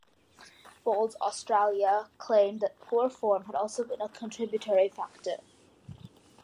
Bowls Australia claimed that poor form had also been a contributory factor.